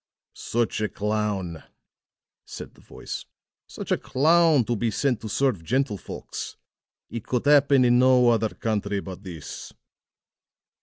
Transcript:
"Such a clown," said the voice, "such a clown to be sent to serve gentlefolks. It could happen in no other country but this."